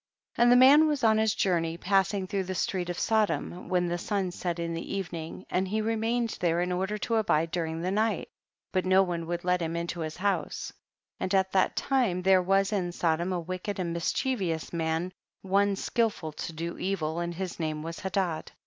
19. And the man was on his jour ney passing through the street of Sodom when the sun set in the even ing, and he remained there in order to abide during the night, but no one would let him into his house ; and at that time there was in Sodom a wicked and mischievous man, one skilful to do evil, and his name was Hedad.